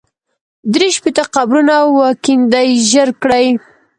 درې شپېته قبرونه وکېندئ ژر کړئ.